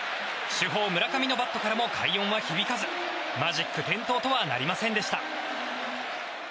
主砲、村上のバットからも快音は響かずマジック点灯とはなりませんでした。